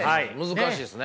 難しいですね。